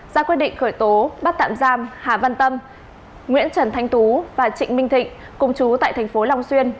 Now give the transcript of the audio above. sau quyết định khởi tố bắt tạm giam hà văn tâm nguyễn trần thánh tú và trịnh minh thịnh cùng chú tại tp long xuyên